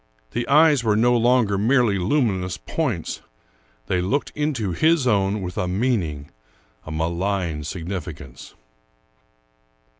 The eyes were no longer merely lumi 104 Ambrose Bierce nous points ; they looked into his own with a meaning, a malign significance.